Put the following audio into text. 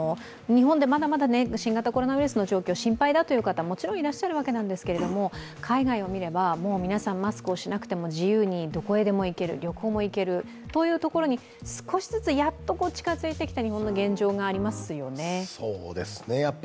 日本でまだまだ新型コロナウイルスの状況が心配だという方、もちろんいらっしゃるわけなんですけれども海外を見れば、皆さん、マスクをしないでも自由にどこへでも行ける、旅行も行けるというところに少しずつやっと近づいてきた日本の現状がありますよね。